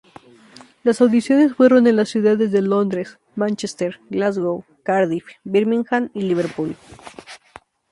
Las audiciones fueron en las ciudades de Londres, Manchester, Glasgow, Cardiff, Birmingham y Liverpool.